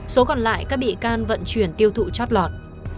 số còn lại các bị can vận chuyển tiêu thụ chót lọt